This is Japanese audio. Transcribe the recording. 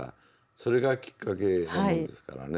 それがきっかけなもんですからね。